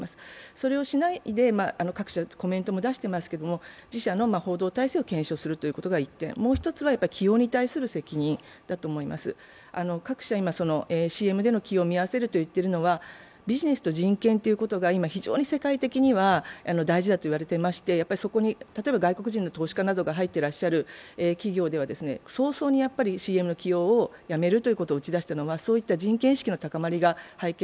それをしないで各社コメントも出していますけれども自社の報道体制を検証するということが１点、もう１つは起用に対する点検各社、今、ＣＭでの起用を見合わせるといっているのはビジネスと人権ということが今、世界では非常に大事だといわれていてそこに例えば外国人の投資家さんが入っている企業では早々にＣＭの起用をやめると打ち出しているのはそういう理由なんですね。